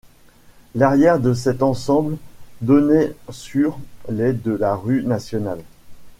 L'arrière de cet ensemble donnait sur les de la rue Nationale.